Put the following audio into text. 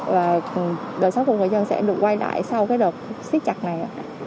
và đời sống của người dân sẽ được quay lại sau cái đợt siết chặt này